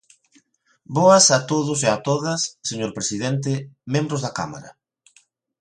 Boas a todos e a todas, señor presidente, membros da Cámara.